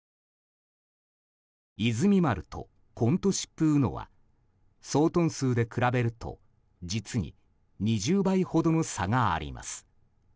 「いずみ丸」と「コントシップウノ」は総トン数で比べると実に２０倍ほどの差があります。